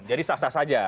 jadi sah sah saja